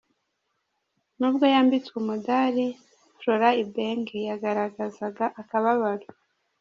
Nubwo yambitswe umudali, Florent Ibenge yagaragazaga akababaro .